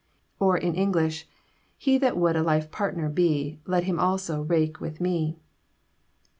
Or in English: He that would a life partner be, Let him also rake with me.